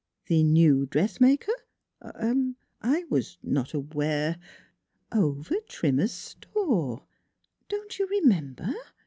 "The new dressmaker ah? I was not aware " Over Trimmer's store; don't you remember?